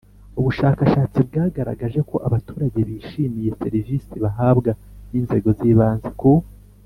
Ubushakashatsi bwagaragaje ko abaturage bishimiye serivisi bahabwa n inzego z ibanze ku